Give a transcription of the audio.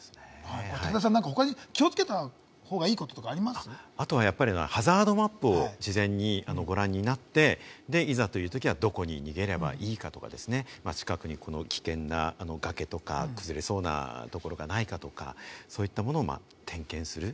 武田さん、他に気を付けたほうがハザードマップを事前にご覧になって、いざというときはどこに逃げればいいかとか、近くに危険な崖とか、崩れそうなところがないかとか、そういったものを点検する。